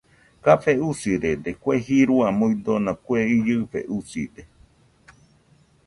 Café usirede kue jirua muidona kue iɨfe uside.